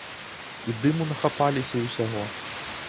І дыму нахапаліся, і ўсяго.